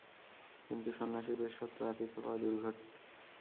কিন্তু সন্ন্যাসীর বেশ সত্ত্বেও আতিথ্য পাওয়া দুর্ঘট।